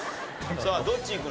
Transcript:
さあどっちいくの？